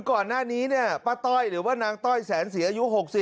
ก่อนหน้านี้เนี่ยป้าต้อยหรือว่านางต้อยแสนศรีอายุ๖๐